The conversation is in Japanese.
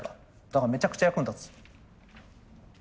だからめちゃくちゃ役に立つ。